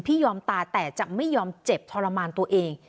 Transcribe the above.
ยอมตาแต่จะไม่ยอมเจ็บทรมานตัวเอง